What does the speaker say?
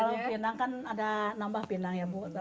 kalau pinang kan ada nambah pinang ya bu